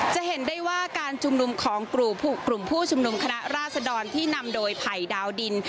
จะเห็นได้ว่าการชุมนุมของกลุ่มผู้ชุมนุมคณะราษดรที่นำโดยไผ่ดาวดิน